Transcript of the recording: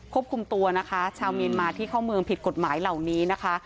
คุมตัวนะคะชาวเมียนมาที่เข้าเมืองผิดกฎหมายเหล่านี้นะคะ